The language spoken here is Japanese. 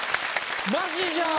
マジじゃん。